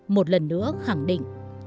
một lần nữa khẳng định